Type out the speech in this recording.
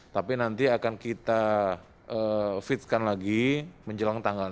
tapi nanti akan kita fitkan lagi menjelang tanggal enam